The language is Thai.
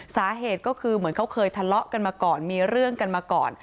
สาเหตุก็คือเหมือนเขาเคยทะเลาะกันมาก่อนมีเรื่องกันมาก่อน